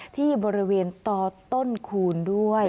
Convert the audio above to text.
ที่บริเวณต่อต้นคูณด้วย